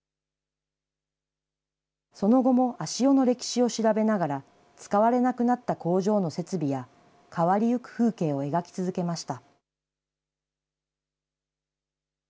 その後も足尾の歴史を調べながら、使われなくなった工場の設備や変わりゆく風景を描き続けました。